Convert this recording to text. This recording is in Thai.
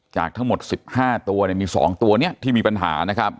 จากทั้งหมด๑๕ตัวมี๒ตัวนี้ที่มีปัญหานะครับ